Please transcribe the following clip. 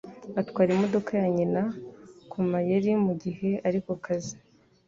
Atwara imodoka ya nyina kumayeri mugihe ari kukazi